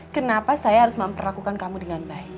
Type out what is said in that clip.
kenapa saya harus memperlakukan kamu dengan baik